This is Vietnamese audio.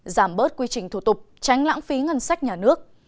giảm bớt quy trình thủ tục tránh lãng phí ngân sách nhà nước